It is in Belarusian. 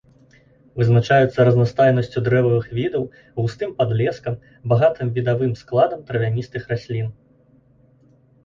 Вызначаюцца разнастайнасцю дрэвавых відаў, густым падлескам, багатым відавым складам травяністых раслін.